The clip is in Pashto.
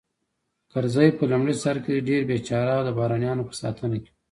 کرزی په لومړي سر کې ډېر بېچاره او د بهرنیانو په ساتنه کې و